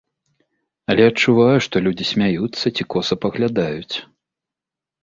Але адчуваю, што людзі смяюцца ці коса паглядаюць.